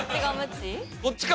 こっちか？